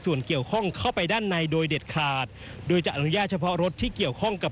ส่วนเกี่ยวข้องเข้าไปด้านในโดยเด็ดขาดโดยจะอนุญาตเฉพาะรถที่เกี่ยวข้องกับ